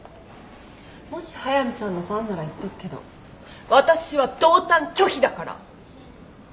もし速見さんのファンなら言っとくけど私は同担拒否だから！